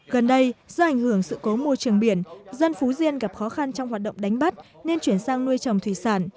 gần đây do ảnh hưởng sự cố môi trường biển dân phú diên gặp khó khăn trong hoạt động đánh bắt nên chuyển sang nuôi trồng thủy sản